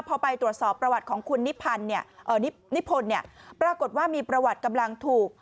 พอไปตรวจสอบประวัติของคุณนิพนธ์ปรากฏว่ามีประวัติกำลังถูก